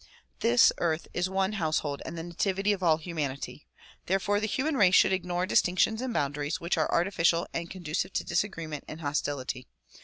This earth is one household and the nativity of all humanity ; there fore the human race should ignore distinctions and boundaries which are artificial and conducive to disagreement and hostility.